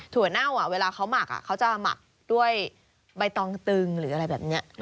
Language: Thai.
เน่าเวลาเขาหมักเขาจะหมักด้วยใบตองตึงหรืออะไรแบบนี้